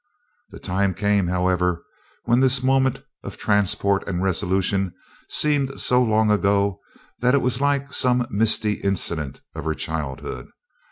The time came, however, when this moment of transport and resolution seemed so long ago that it was like some misty incident of her childhood.